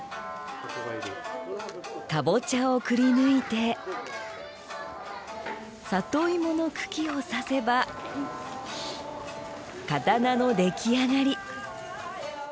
かぼちゃをくりぬいて里芋の茎を刺せば刀の出来上がり。